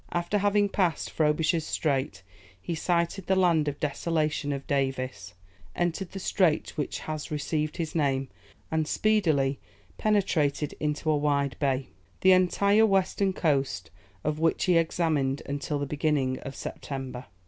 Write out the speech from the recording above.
After having passed Frobisher's Strait, he sighted the land of Desolation of Davis, entered the strait which has received his name, and speedily penetrated into a wide bay, the entire western coast of which he examined until the beginning of September.